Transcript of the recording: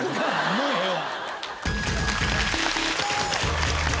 もうええわ。